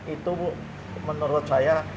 itu menurut saya